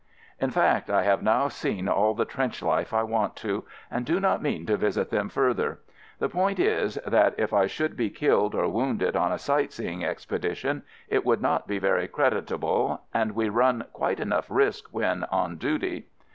In fact, I have now seen all the trench life I want to — and do not mean to visit them further. The point is that if I should be killed or wounded on a sight seeing expedition it would not be very creditable, and we run quite enough risk when on duty.